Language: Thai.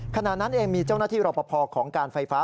ขณะนั้นเองมีเจ้าหน้าที่รอปภของการไฟฟ้า